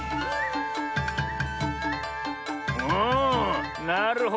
おおなるほど。